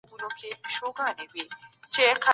د ښووني او روزني شرايطو ته بايد ښه پاملرنه وسي.